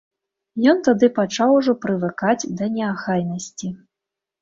Ён тады пачаў ужо прывыкаць да неахайнасці.